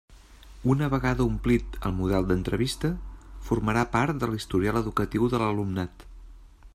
Una vegada omplit el model d'entrevista, formarà part de l'historial educatiu de l'alumnat.